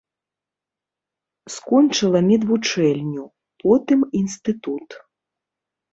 Скончыла медвучэльню, потым інстытут.